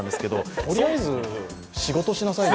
とりあえず仕事しなさいよ。